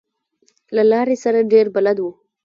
له لارې سره ډېر بلد و.